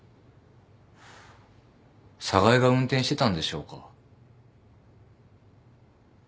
寒河江が運転してたんでしょうか？